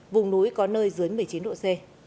vùng núi có nơi dưới một mươi chín độ c